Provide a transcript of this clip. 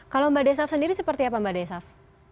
kalau mbak desaf sendiri seperti apa mbak desaf